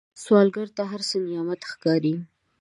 سوالګر ته هر څه نعمت ښکاري